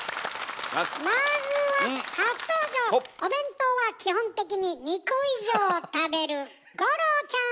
まずはお弁当は基本的に２個以上食べる五郎ちゃーん！